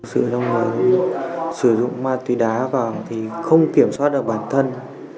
sự dòng sử dụng ma túy đá và không kiểm soát được bản thân